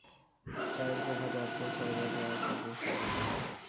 চায়ের কোপ হাতে আফসার সাহেব এক-একা বসে আছেন।